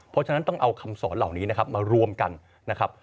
เพราะฉะนั้นต้องเอาคำสอนเหล่านี้นะครับมารวมกันนะครับ